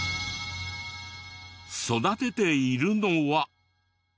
育てているのは。